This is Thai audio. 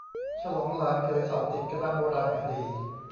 ฉลองหลานเขยสอบติดคณะโบราณคดี